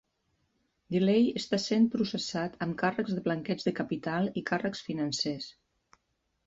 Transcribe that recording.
DeLay està sent processat amb càrrecs de blanqueig de capital i càrrecs financers.